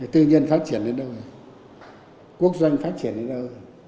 tư nhân phát triển đến đâu rồi quốc doanh phát triển đến đâu